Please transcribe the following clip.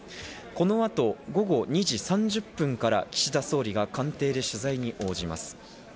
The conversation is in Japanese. この後、２時３０分から岸田総理が官邸で取材に応じます。